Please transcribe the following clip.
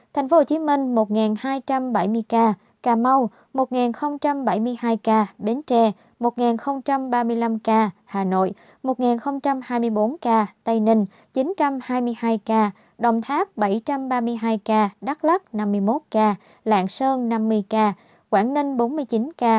tp hcm một hai trăm bảy mươi ca cà mau một bảy mươi hai ca bến tre một ba mươi năm ca hà nội một hai mươi bốn ca tây ninh chín trăm hai mươi hai ca đồng tháp bảy trăm ba mươi hai ca đắk lắc năm mươi một ca lạng sơn năm mươi ca quảng ninh bốn mươi chín ca